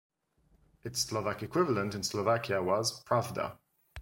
Its Slovak equivalent in Slovakia was "Pravda".